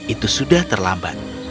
itu sudah terlambat